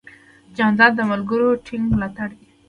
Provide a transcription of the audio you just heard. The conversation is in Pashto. جانداد د ملګرو ټینګ ملاتړ دی.